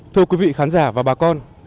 thưa quý vị khán giả và bà con